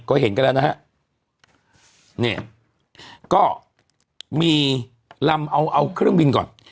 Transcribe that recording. ก็เห็นกันแล้วนะฮะนี่ก็มีลำเอาเอาเครื่องบินก่อน